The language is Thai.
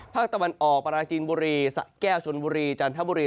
ภาคตะวันออกปราจีนบุรีสะแก้วชนบุรีจันทบุรี